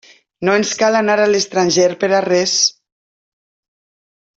No ens cal anar a l'estranger per a res.